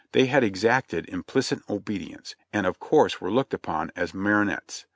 They had exacted implicit obedience, and of course were looked upon as mar tinets.